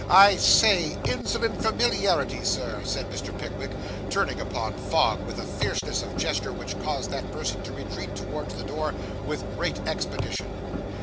I say insolent familiarity, sir,' said Mr. Pickwick, turning upon Fogg with a fierceness of gesture which caused that person to retreat towards the door with great expedition.